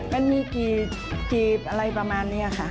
มันมีกี่อะไรประมาณนี้ค่ะ